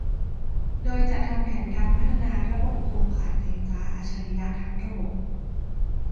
โดยจัดทำแผนการพัฒนาระบบโครงข่ายไฟฟ้าอัจฉริยะทั้งระบบ